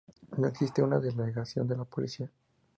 No existe una delegación de la policía.